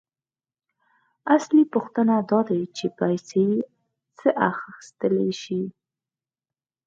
اصلي پوښتنه داده چې پیسې څه اخیستلی شي